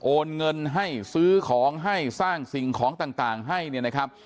โอนเงินให้ซื้อของให้สร้างสิ่งของต่างให้เนี่ยนะครับ